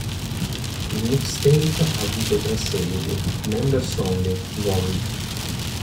Il mixtape ha avuto tre seguiti: "Members Only, Vol.